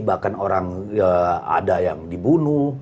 bahkan orang ada yang dibunuh